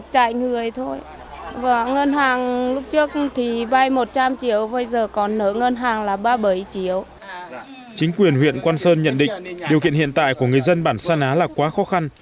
chính quyền huyện quang sơn nhận định điều kiện hiện tại của người dân bản sa ná là quá khó khăn